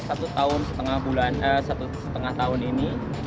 satu setengah tahun ini